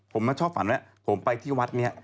ผมชอบฝันแล้วผมไปที่วัดนี่